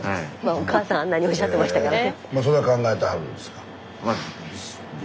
おかあさんあんなにおっしゃってましたからね。